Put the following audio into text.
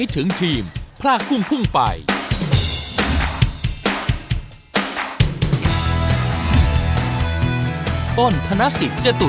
ต้นทนาศิษย์